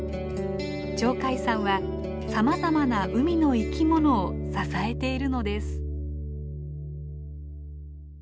鳥海山はさまざまな海の生き物を支えているのです。